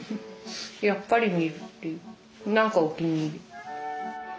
やっぱり見るっていう何かお気に入り。